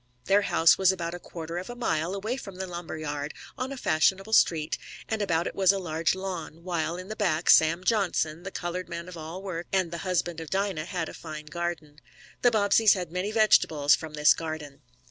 Their house was about a quarter of a mile away from the lumber yard, on a fashionable street, and about it was a large lawn, while in the back Sam Johnson, the colored man of all work, and the husband of Dinah, had a fine garden. The Bobbseys had many vegetables from this garden.